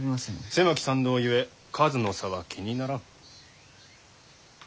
狭き山道ゆえ数の差は気にならん。